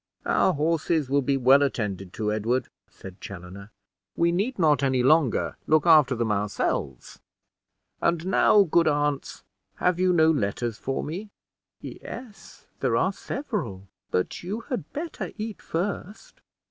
"Our horses will be well attended to, Edward," said Chaloner; "we need not any longer look after them ourselves. And now, good aunts, have you no letters for me?" "Yes, there are several; but you had better eat first."